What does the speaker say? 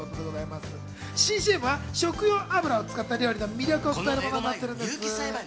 新ＣＭは食用油を使った料理の魅力を伝えるものになっているんです。